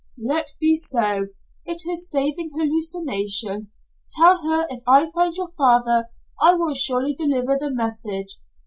"Let be so. It's a saving hallucination. Tell her if I find your father, I will surely deliver the message."